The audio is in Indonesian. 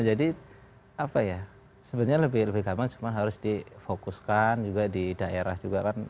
jadi apa ya sebenarnya lebih gampang cuma harus difokuskan juga di daerah juga kan